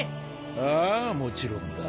ああもちろんだ。